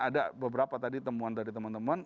ada beberapa tadi temuan dari teman teman